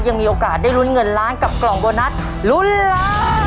ยังมีโอกาสได้ลุ้นเงินล้านกับกล่องโบนัสลุ้นล้าน